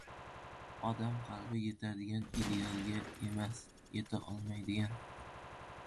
Odam qalbi yetadigan idealga emas, yeta olmaydigan